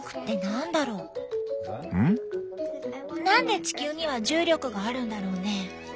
何で地球には重力があるんだろうね？